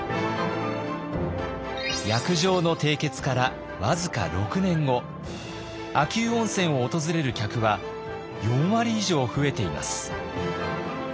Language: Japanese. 約定の締結から僅か６年後秋保温泉を訪れる客は４割以上増えています。